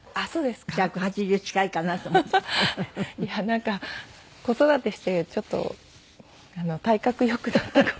なんか子育てしてちょっと体格良くなったかも。